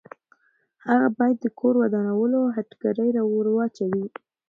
هغه باید د کور ودانولو هتکړۍ ورواچوي.